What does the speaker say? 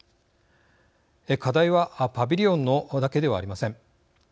課題はパビリオンだけではありません。